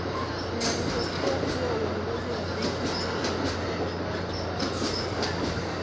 Inaripotiwa kuwa uongozi wa benki hiyo ulifanya kikao cha dharura